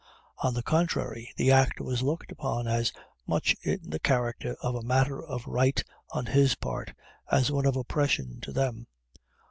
On the contrary, the act was looked upon as much in the character of a matter of right on his part, as one of oppression to them.